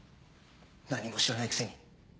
何も知らないくせに。